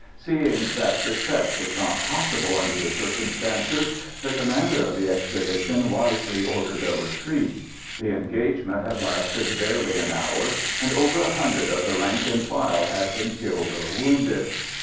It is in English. Seeing that success was not possible under the circumstances, the commander of the expedition wisely ordered a retreat. The engagement had lasted barely an hour, and over a hundred of the rank and file had been killed or wounded.